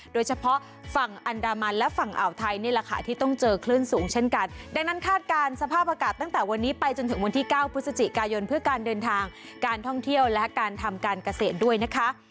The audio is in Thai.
โดยเฉพาะฝั่งอันดามันและฝั่งอ่าวไทยนี่แหละค่ะที่ต้องเจอคลื่นสูงเช่นกันดังนั้นคาดการณ์สภาพอากาศตั้งแต่วันนี้ไปจนถึงวันที่เก้าพฤศจิกายนเพื่อการเดินทางการท่องเที่ยวและการทำการเกษตรด้วยนะคะ